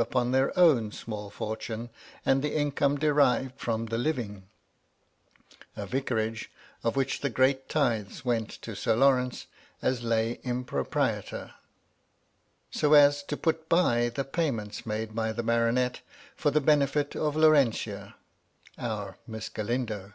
upon their own small fortune and the income derived fipom the living (a vicarage, of which the great tithes went to Sir Lawrence as lay impropriator), so as to put by the payments made by the baronet, for the benefit of Laurentia — our Miss Galindo.